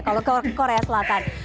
kalau ke korea selatan